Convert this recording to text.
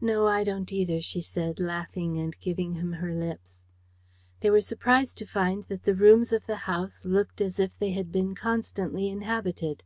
"No, I don't either," she said, laughing and giving him her lips. They were surprised to find that the rooms of the house looked as if they had been constantly inhabited.